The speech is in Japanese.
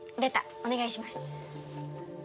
お願いします。